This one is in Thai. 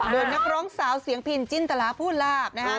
โดยนักร้องเสาเสียงผินจินตะลาผู้ลาบ